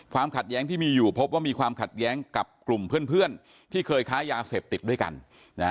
ขัดแย้งที่มีอยู่พบว่ามีความขัดแย้งกับกลุ่มเพื่อนที่เคยค้ายาเสพติดด้วยกันนะฮะ